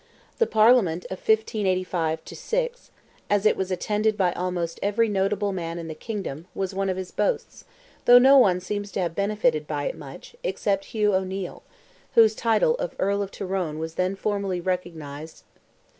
The Parliament of 1585 6, as it was attended by almost every notable man in the kingdom, was one of his boasts, though no one seems to have benefited by it much, except Hugh O'Neil, whose title of Earl of Tyrone was then formally recognized.